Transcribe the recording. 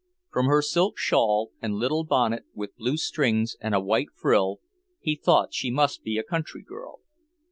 From her silk shawl, and little bonnet with blue strings and a white frill, he thought she must be a country girl.